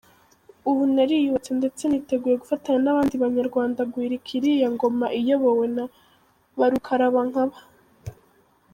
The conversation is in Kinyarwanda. Ubu nariyubatse ndetse niteguye gufatanya n’abandi banyarwanda guhirika iriya ngoma iyobowe na barukarabankaba.